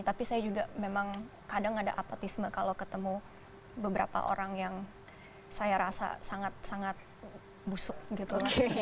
tapi saya juga memang kadang ada apotisme kalau ketemu beberapa orang yang saya rasa sangat sangat busuk gitu